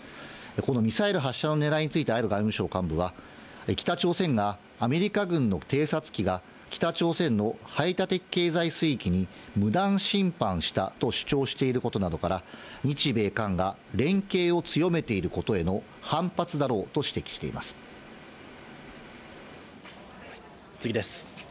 このミサイル発射のねらいについてある外務省幹部は、北朝鮮がアメリカ軍の偵察機が、北朝鮮の排他的経済水域に、無断侵犯したと主張していることなどから、日米韓が連携を強めていることへの反発だろうと指摘してい次です。